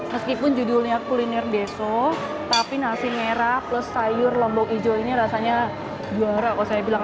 meskipun judulnya kuliner deso tapi nasi merah plus sayur lombok hijau ini rasanya juara kalau saya bilang